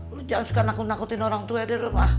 lu jangan suka nakut nakutin orang tua di rumah